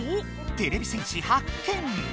てれび戦士発見。